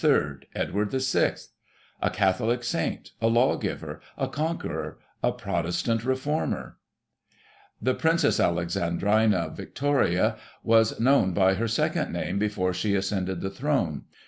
— Edward VI. .? A Catholic Saint — ^^a law giver — a con * queror — a Protestant Reformer? . "The Princess Alexandrina Victoria was known by her second name before she ascended the throne.